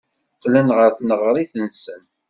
Qqlen ɣer tneɣrit-nsen.